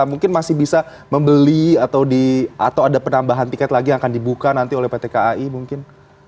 mungkin masih bisa membeli atau ada penambahan tiket lagi yang akan dibuka nanti oleh pt kai mungkin